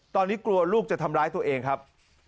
ตอนนี้กลัวลูกจะทำร้ายตัวเองครับ